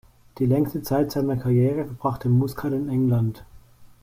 Die längste Zeit seiner Karriere verbrachte Muscat in England.